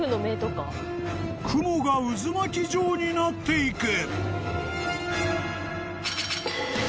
［雲が渦巻き状になっていく］